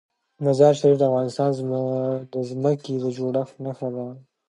مزارشریف د افغانستان د ځمکې د جوړښت نښه ده.